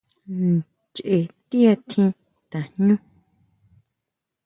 Ncheé ti atji tajñu.